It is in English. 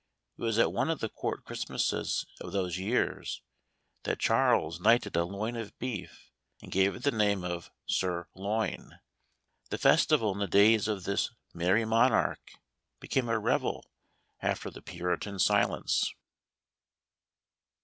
It was at one of the Court Christmases of these years that Charles knighted a loin of beef, and gave it the name of " Sir Loin." The festival in the days of this " merrie monarch " became a revel, after the Puritan silence.